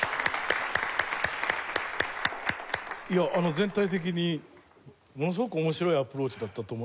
全体的にものすごく面白いアプローチだったと思う。